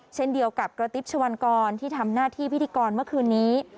เช่นเดียวกับกระติ๊บชวันกรที่ทำหน้าที่พิธีกรเมื่อคืนนี้